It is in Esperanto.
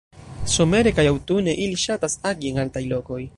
Somere kaj aŭtune ili ŝatas agi en altaj lokoj.